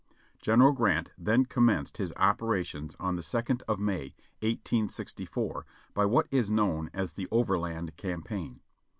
General Grant then commenced his operations on the second of May, 1864, by what is known as the overland campaign.